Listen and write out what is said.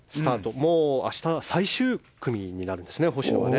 もう明日最終組になるんですね星野。